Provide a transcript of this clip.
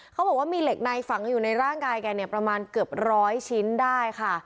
เขาบอกว่ามีเหล็กในฝังอยู่ในร่างกายแกเนี่ยประมาณเกือบร้อยชิ้นได้ค่ะ